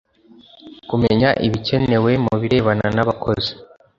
kumenya ibikenewe mu birebana n’abakozi